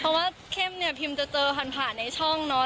เพราะว่าเข้มเนี่ยพิมจะเจอผ่านในช่องเนาะ